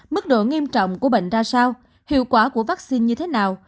mức độ nghiêm trọng của bệnh ra sao hiệu quả của vaccine như thế nào